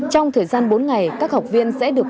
trong thời gian bốn ngày các học viên sẽ được